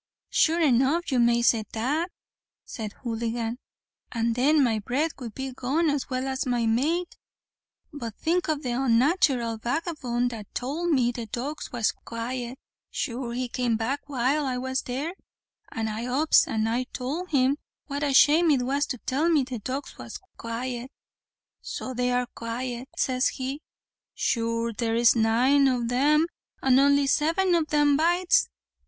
"Sure enough you may say that," said Houligan; "and then my bread would be gone as well as my mate. But think o' the unnatharal vagabone that towld me the dogs was quite; sure he came back while I was there, and I ups and I towld him what a shame it was to tell me the dogs was quite. So they are quite, says he; sure there's nine o' them, and only seven o' them bites.